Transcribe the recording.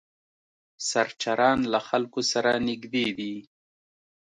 سرچران له خلکو سره نږدې دي.